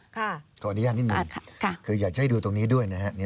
ขออนุญาตนิดนึงคืออยากจะให้ดูตรงนี้ด้วยนะครับ